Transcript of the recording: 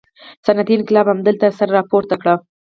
صنعتي انقلاب همدلته سر راپورته کړ.